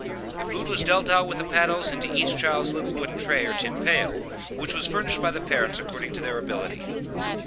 The food was dealt out with the paddles into each child's little wooden tray or tin pail, which was furnished by the parents according to their ability.